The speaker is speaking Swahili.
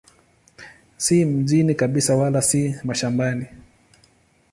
Si mjini kabisa wala si mashambani.